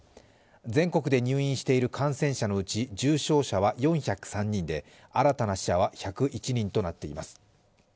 全国で入院している感染者のうち、重症者は４０３人で新たな死者は１０１人となっています